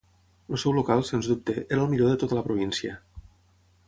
El seu local, sens dubte, era el millor de tota la província.